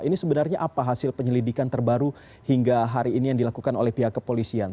ini sebenarnya apa hasil penyelidikan terbaru hingga hari ini yang dilakukan oleh pihak kepolisian